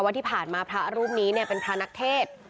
ที่ผ่านมาพระรูปนี้เป็นพระนักเทศ